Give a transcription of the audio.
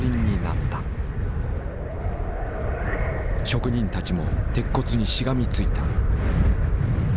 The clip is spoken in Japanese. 職人たちも鉄骨にしがみついた。